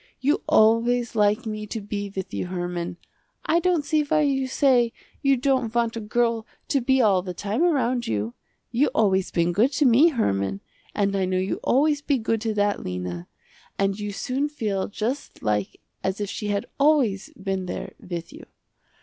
You always like me to be with you Herman. I don't see why you say you don't want a girl to be all the time around you. You always been good to me Herman, and I know you always be good to that Lena, and you soon feel just like as if she had always been there with you.